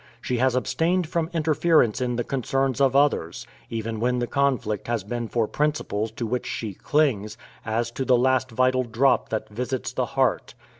She has abstained from interference in the concerns of others, even when the conflict has been for principles to which she clings, as to the last vital drop that visits the heart.